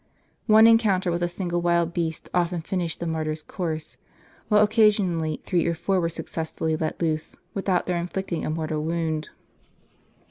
* One encounter with a single wild beast often finished the martyr's course ; while occasionally three or four were successively let loose, without their inflicting a mortal wound.